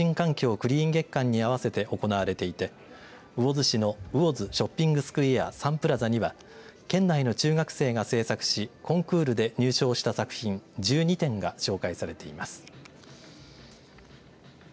クリーン月間に合わせて行われていて魚津市の魚津ショッピングスクエアサンプラザには県内の中学生が制作しコンクールで入賞した作品１２点が紹介されています。